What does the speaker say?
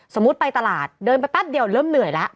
สมมุติไปตลาดเดินประตัดเดียวเริ่มเหนื่อยแล้ว